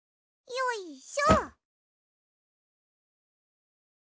よいしょ！